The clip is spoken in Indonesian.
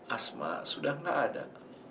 asma sudah nggak ada